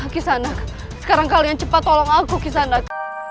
kisah anak sekarang kalian cepat tolong aku kisah anak